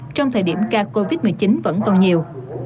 trong thời điểm ca covid một mươi chín vẫn còn nhiều